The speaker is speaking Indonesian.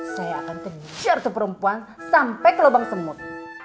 saya akan kejar seperempuan sampai ke lubang semut